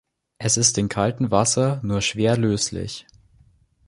Es ist in kaltem Wasser nur schwer löslich.